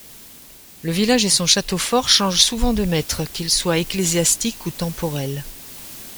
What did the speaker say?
Le village et son château-fort changent souvent de maître, qu'ils soient ecclésiastiques ou temporels.